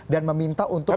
dan meminta untuk